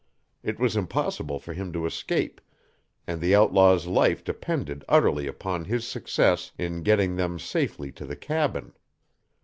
It was impossible for him to escape, and the outlaw's life depended utterly upon his success in getting them safely to the cabin.